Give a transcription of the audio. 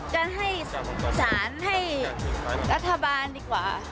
การให้สารให้รัฐบาลดีกว่า